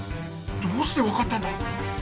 どうして分かったんだ